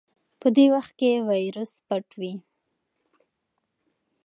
په دې وخت کې وایرس پټ وي.